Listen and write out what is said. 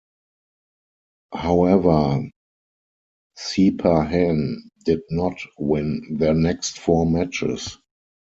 However, Sepahan did not win their next four matches.